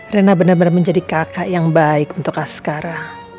rena benar benar menjadi kakak yang baik untuk askara